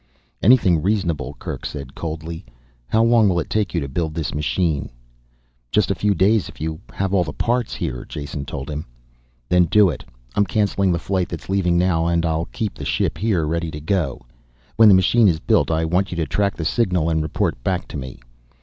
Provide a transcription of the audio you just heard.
"Anything reasonable," Kerk said coldly. "How long will it take you to build this machine?" "Just a few days if you have all the parts here," Jason told him. "Then do it. I'm canceling the flight that's leaving now and I'll keep the ship here, ready to go. When the machine is built I want you to track the signal and report back to me."